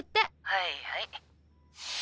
はいはい。